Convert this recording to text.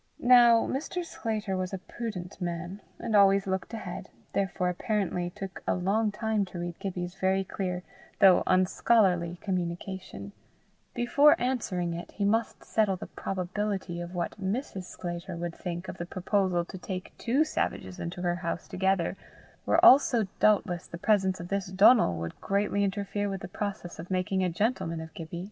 Now Mr. Sclater was a prudent man, and always looked ahead, therefore apparently took a long time to read Gibbie's very clear, although unscholarly communication; before answering it, he must settle the probability of what Mrs. Sclater would think of the proposal to take two savages into her house together, where also doubtless the presence of this Donal would greatly interfere with the process of making a gentleman of Gibbie.